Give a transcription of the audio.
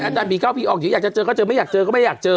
อาจารย์ผีเข้าผีออกเดี๋ยวอยากจะเจอก็เจอไม่อยากเจอก็ไม่อยากเจอ